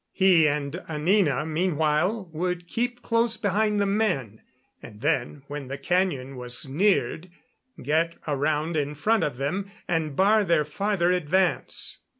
He and Anina meanwhile would keep close behind the men, and then when the cañon was neared, get around in front of them, and bar their farther advance.